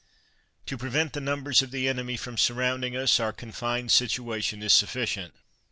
To prevent the numbers of the enemy from sur rounding us, our confined situation is suflScient.